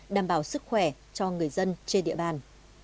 đảm bảo sức khỏe cho người dân trên địa bàn